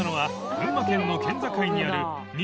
群馬県の県境にある椶任